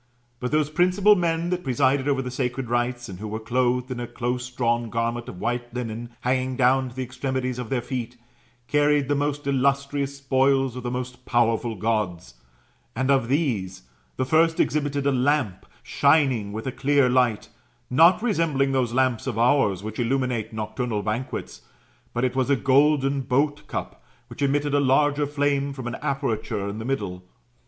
But those principal men that presided over the sacred rites, and who were clothed in a close drawn garment of white linen, hanging down to the extremities of their feet, carried the most illustrious spoils' of the most powerful Gods. And of these, the first exhibited a lamp shining with a clear light, not resembling those lamps of ours which illuminate nocturnal banquets ; but it was a golden boat cup, which emitted a larger flame from an aperture in the middle.